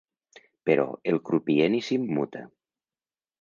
Però el crupier ni s'immuta.